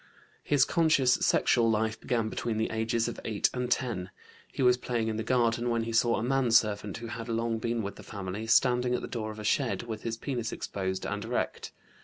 His conscious sexual life began between the ages of 8 and 10. He was playing in the garden when he saw a manservant who had long been with the family, standing at the door of a shed with his penis exposed and erect.